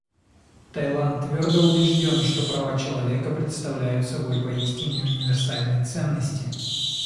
Таиланд твердо убежден, что права человека представляют собой поистине универсальные ценности.